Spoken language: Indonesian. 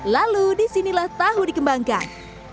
lalu disinilah tahu dikembangkan